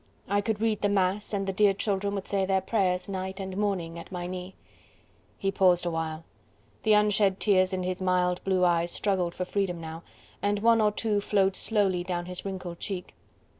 I could read the Mass, and the dear children would say their prayers night and morning at my knee." He paused awhile. The unshed tears in his mild blue eyes struggled for freedom now, and one or two flowed slowly down his wrinkled cheek.